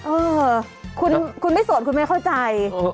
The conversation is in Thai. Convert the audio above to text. เออคุณไม่สนคุณไม่เข้าใจ